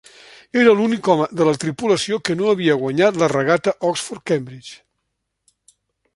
Era l'únic home de la tripulació que no havia guanyat la regata Oxford-Cambridge.